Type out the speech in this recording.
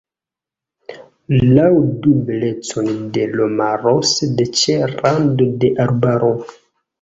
Laŭdu belecon de l' maro, sed ĉe rando de arbaro.